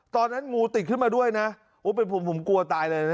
งูติดขึ้นมาด้วยนะโอ้เป็นผมผมกลัวตายเลยนะ